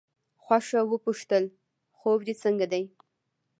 خوښه وپوښتل خوب دې څنګه دی.